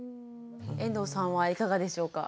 遠藤さんはいかがでしょうか？